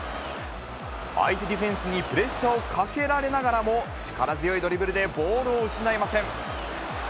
相手ディフェンスにプレッシャーをかけられながらも、力強いドリブルでボールを失いません。